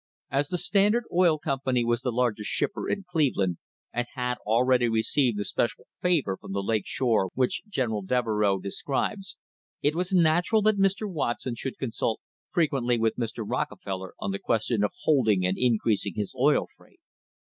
As the Standard Oil Company was the largest shipper in Cleveland and had already received the special favour from the Lake Shore which General Devereux describes, it was natural that Mr. Watson should consult frequently with Mr. Rockefeller on the ques tion of holding and increasing his oil freight.